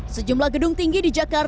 sejumlah gedung tinggi di jakarta